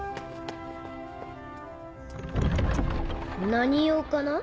何用かな？